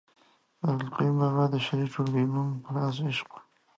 د عبدالقیوم بابا د شعري ټولګې نوم رازِ عشق ؤ